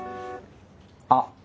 あっ。